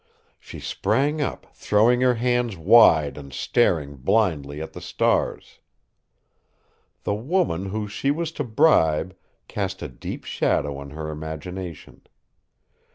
She sprang up, throwing her hands wide and staring blindly at the stars. The woman whom she was to bribe cast a deep shadow on her imagination.